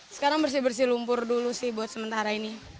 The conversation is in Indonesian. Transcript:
sekarang bersih bersih lumpur dulu sih buat sementara ini